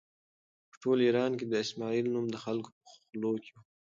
په ټول ایران کې د اسماعیل نوم د خلکو په خولو کې و.